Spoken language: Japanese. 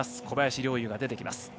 小林陵侑が出てきます。